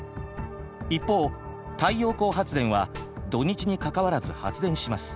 一方太陽光発電は土日にかかわらず発電します。